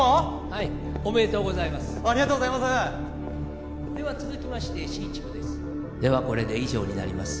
はいおめでとうございますありがとうございますでは続きましてＣ地区ですではこれで以上になります